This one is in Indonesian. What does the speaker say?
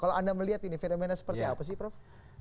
kalau anda melihat ini fenomena seperti apa sih prof